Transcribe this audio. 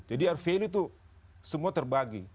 jadi our value itu semua terbagi